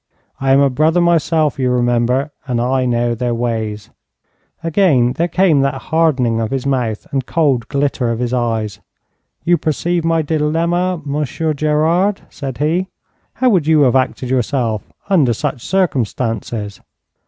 I am a brother myself, you remember, and I know their ways.' Again there came that hardening of his mouth and cold glitter of his eyes. 'You perceive my dilemma, Monsieur Gerard,' said he. 'How would you have acted yourself, under such circumstances?'